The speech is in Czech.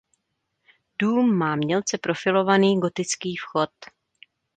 Dům má mělce profilovaný gotický vchod.